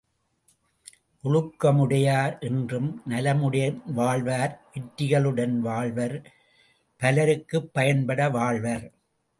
ஒழுக்கமுடையார் என்றும் நலமுடன் வாழ்வர் வெற்றிகளுடன் வாழ்வர் பலருக்கும் பயன்பட வாழ்வர்.